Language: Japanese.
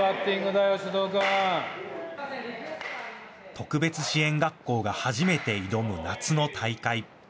特別支援学校が初めて挑む夏の大会。